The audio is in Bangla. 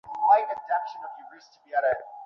শেষ বেলায় এসে আমার বাবু পরিবর্তন করে ফেলতে বলতেছে।